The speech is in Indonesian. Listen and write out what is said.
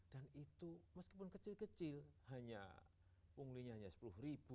dan itu meskipun kecil kecil hanya pungglingnya hanya sepuluh ribu